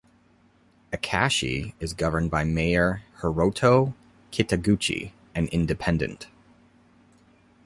Akashi is governed by Mayor Hiroto Kitaguchi, an independent.